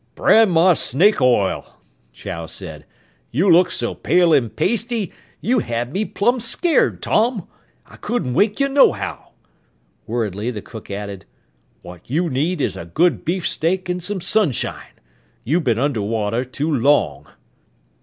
"Brand my snake oil!" Chow said. "You looked so pale an' pasty, you had me plumb scared, Tom! I couldn't wake you nohow!" Worriedly the cook added, "What you need is a good beefsteak and some sunshine. You been under water too long."